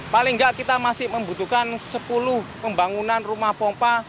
paling tidak kita masih membutuhkan sepuluh pembangunan rumah pompa